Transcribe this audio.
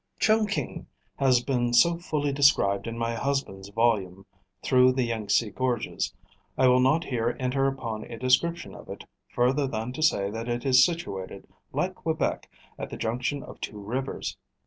Chungking has been so fully described in my husband's volume Through the Yangtse Gorges, I will not here enter upon a description of it further than to say it is situated, like Quebec, at the junction of two rivers.